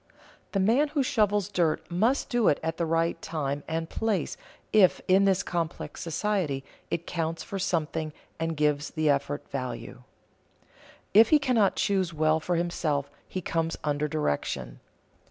The man who shovels dirt must do it at the right time and place if, in this complex society, it counts for something and gives the effort value. If he cannot choose well for himself, he comes under direction.